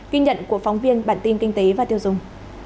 ghi nhận của phóng viên bản tin kinh tế và tiêu dùng